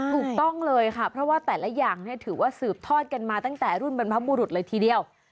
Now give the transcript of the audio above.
ถูกต้องเลยค่ะเพราะว่าแต่ละอย่างถือว่าสืบทอดกันมาตั้งแต่รุ่นบรรพบุรุษเลยทีเดียว